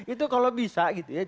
itu kalau bisa gitu ya